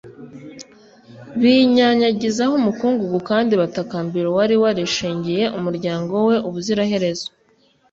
binyanyagizaho umukungugu kandi batakambira uwari warishingiye umuryango we ubuziraherezo